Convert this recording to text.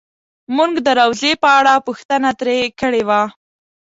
مونږ د روضې په اړه پوښتنه ترې کړې وه.